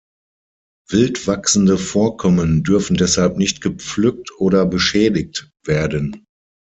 Wildwachsende Vorkommen dürfen deshalb nicht gepflückt oder beschädigt werden.